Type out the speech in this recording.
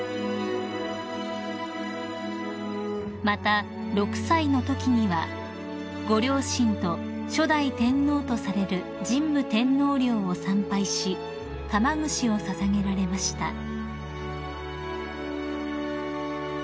［また６歳のときにはご両親と初代天皇とされる神武天皇陵を参拝し玉串を捧げられました］